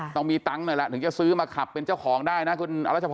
ต้องมีตังค์หน่อยล่ะถึงจะซื้อมาขับเป็นเจ้าของได้นะคุณอรัชพร